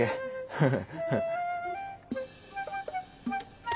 フフ。